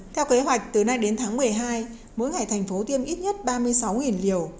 theo kế hoạch từ nay đến tháng một mươi hai mỗi ngày thành phố tiêm ít nhất ba mươi sáu liều